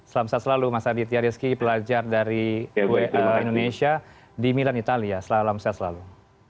selamat siang selalu mas aditya rizky pelajar dari wa indonesia di milan italia selamat siang selalu